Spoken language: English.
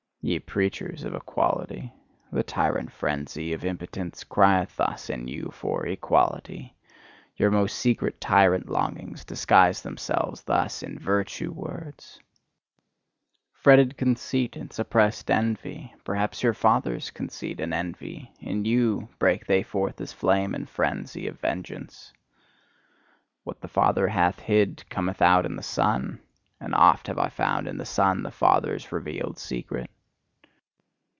Ye preachers of equality, the tyrant frenzy of impotence crieth thus in you for "equality": your most secret tyrant longings disguise themselves thus in virtue words! Fretted conceit and suppressed envy perhaps your fathers' conceit and envy: in you break they forth as flame and frenzy of vengeance. What the father hath hid cometh out in the son; and oft have I found in the son the father's revealed secret.